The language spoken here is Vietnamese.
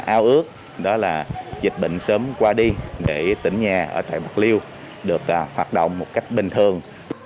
ao ước đó là dịch bệnh sớm qua đi để tỉnh nhà ở tại bạc liêu được hoạt động một cách bình thường